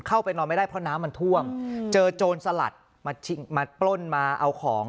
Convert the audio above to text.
เข้าไปนอนไม่ได้เพราะน้ำมันท่วมเจอโจรสลัดมาปล้นมาเอาของ